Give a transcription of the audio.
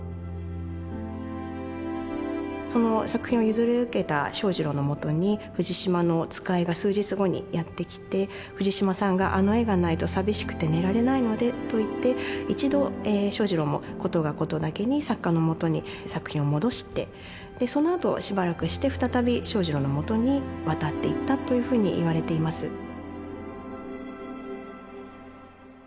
その作品を譲り受けた正二郎のもとに藤島の使いが数日後にやって来て「藤島さんがあの絵がないと寂しくて寝られないので」と言って一度正二郎も事が事だけに作家のもとに作品を戻してそのあとはしばらくして再び正二郎のもとに渡っていったというふうにいわれています。